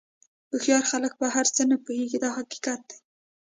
هوښیار خلک په هر څه نه پوهېږي دا حقیقت دی.